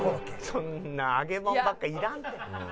そんな揚げ物ばっかりいらんって。